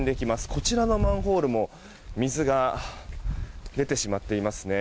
こちらのマンホールも水が出てしまっていますね。